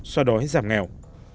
so với giảm nghèo